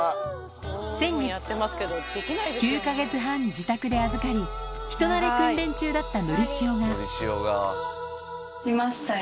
先月、９か月半自宅で預かり、人なれ訓練中だったのりしおが。来ましたよ。